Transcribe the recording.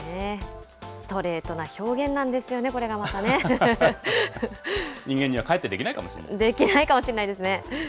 ストレートな表現なんですよね、人間にはかえってできないかできないかもしれないですね。